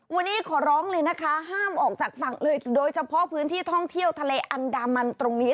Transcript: วันนี้ขอร้องเลยนะคะห้ามออกจากฝั่งเลยโดยเฉพาะพื้นที่ท่องเที่ยวทะเลอันดามันตรงนี้